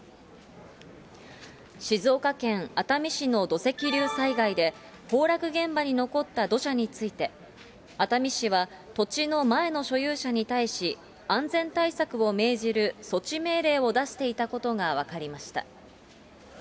静岡県熱海市の土石流災害で、崩落現場に残った土砂について、熱海市は土地の前の所有者に対し、安全対策を命じる措置命令を出していたことが分かりました。